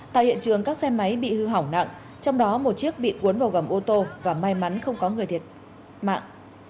tại hiện trường các xe máy bị hư hỏng nặng trong đó một chiếc bị cuốn vào gầm ô tô và may mắn không có người thiệt mạng